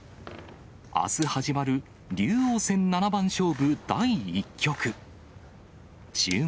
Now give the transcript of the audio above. あす始まる竜王戦七番勝負第１局。